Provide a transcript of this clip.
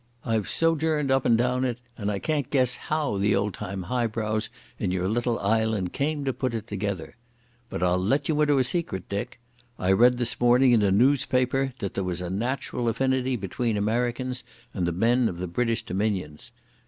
I've sojourned up and down it and I can't guess how the old time highbrows in your little island came to put it together. But I'll let you into a secret, Dick. I read this morning in a noospaper that there was a natural affinity between Americans and the men of the British Dominions.